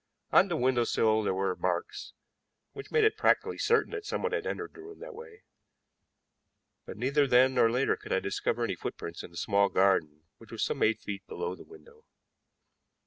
On the window sill there were marks which made it practically certain that someone had entered the room that way, but neither then nor later could I discover any footprints in the small garden which was some eight feet below the window.